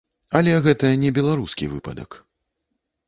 Але гэта не беларускі выпадак.